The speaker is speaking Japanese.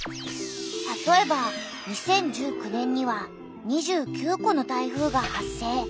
たとえば２０１９年には２９個の台風が発生。